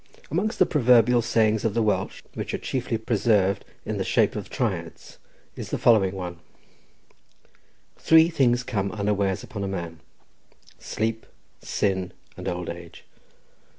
Amongst the proverbial sayings of the Welsh, which are chiefly preserved in the shape of triads, is the following one: "Three things come unawares upon a man—sleep, sin, and old age."